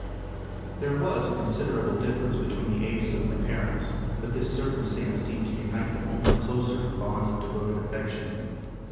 There was a considerable difference between the ages of my parents, but this circumstance seemed to unite them only closer in bonds of devoted affection.